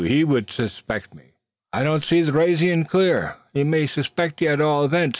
he would me suspect." "I don't see the raison clear. He may suspect ye at all evints.